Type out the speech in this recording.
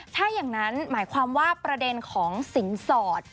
ถ้าอย่างนั้นหมายความว่าประเด็นของสินสอด